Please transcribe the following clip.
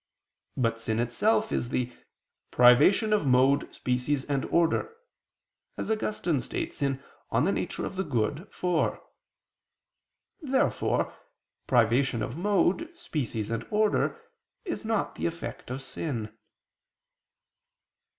But sin itself is the "privation of mode, species and order," as Augustine states (De Natura Boni iv). Therefore privation of mode, species and order is not the effect of sin.